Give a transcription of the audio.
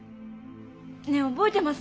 ねえ覚えてます？